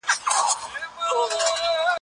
د ميرمني مسئوليت د چا خدمت دی؟